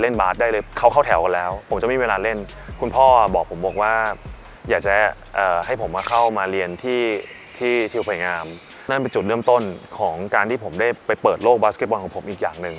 นั่นเป็นจุดเริ่มต้นของการที่ผมได้ไปเปิดโลกบาสเก็ตบอลของผมอีกอย่างหนึ่ง